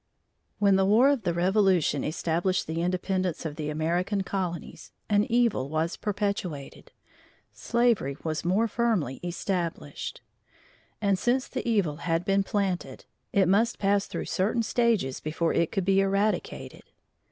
When the war of the Revolution established the independence of the American colonies, an evil was perpetuated, slavery was more firmly established; and since the evil had been planted, it must pass through certain stages before it could be eradicated.